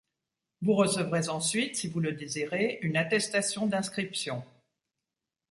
Vous recevrez ensuite, si vous le désirez, une attestation d'inscription.